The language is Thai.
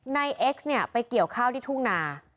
เอ็กซ์เนี่ยไปเกี่ยวข้าวที่ทุ่งนา